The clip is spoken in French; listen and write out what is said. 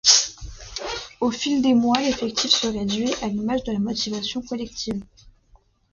Au fil des mois, l'effectif se réduit à l'image de la motivation collective.